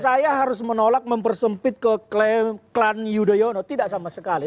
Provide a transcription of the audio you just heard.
saya harus menolak mempersempit ke klan yudhoyono tidak sama sekali